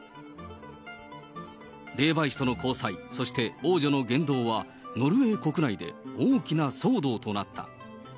霊媒師との交際、そして王女の言動はノルウェー国内で大きな騒動となった。